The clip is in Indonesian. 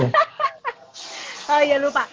oh ya lupa